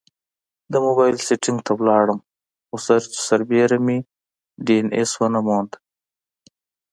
د مبایل سیټینګ ته لاړم، خو سرچ سربیره مې ډي این ایس ونه موند